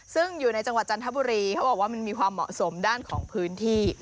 ซึ่งอยู่ในจังหวัดจันทบุรีเขาบอกว่ามันมีความเหมาะสมด้านของพื้นที่